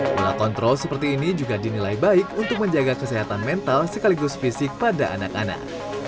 pola kontrol seperti ini juga dinilai baik untuk menjaga kesehatan mental sekaligus fisik pada anak anak